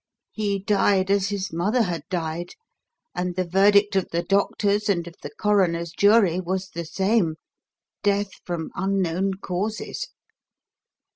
He died as his mother had died, and the verdict of the doctors and of the coroner's jury was the same: 'Death from unknown causes'!"